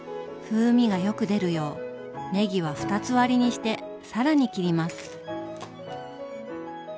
風味がよく出るようねぎは二つ割りにして更に切ります。